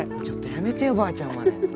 ちょっとやめてよばあちゃんまで。